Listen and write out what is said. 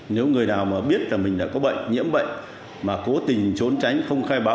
nếu người nào mà biết là mình đã có bệnh nhiễm bệnh mà cố tình trốn tránh không khai báo